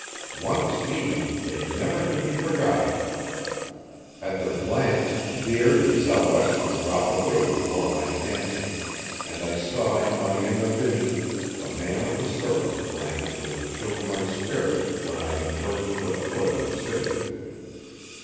Once seen they never could be forgotten. At their glance, beard and sou'wester dropped away before my fancy, and I saw in my inner vision the man of the serpent glance who had chilled my spirit when I had first put foot in the city.